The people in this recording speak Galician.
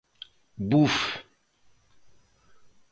Buf...